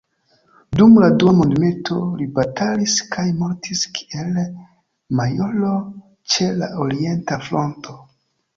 Dum la dua mondmilito li batalis kaj mortis kiel majoro ĉe la orienta fronto.